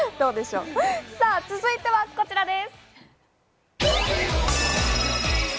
続いては、こちらです。